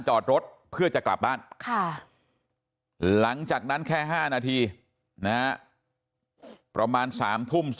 จอดรถเพื่อจะกลับบ้านหลังจากนั้นแค่๕นาทีประมาณ๓ทุ่ม